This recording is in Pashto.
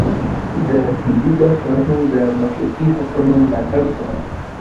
د طبي ډاکټرانو د مسلکي حقونو ملاتړ کول